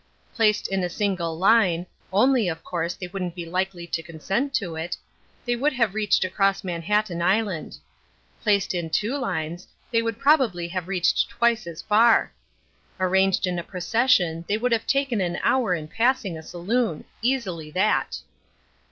Placed in a single line (only, of course, they wouldn't be likely to consent to it) they would have reached across Manhattan Island. Placed in two lines, they would probably have reached twice as far. Arranged in a procession they would have taken an hour in passing a saloon: easily that.